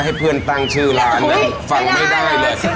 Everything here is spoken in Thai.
ให้เพื่อนตั้งชื่อร้านเลยฟังไม่ได้เลย